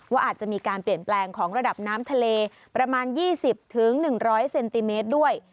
ว่าอาจจะมีการเปลี่ยนแปลงของระดับน้ำทะเลประมาณ๒๐๑๐๐เซนติเมตรด้วย